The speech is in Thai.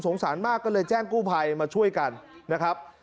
สารมากก็เลยแจ้งกู้ภัยมาช่วยกันนะครับ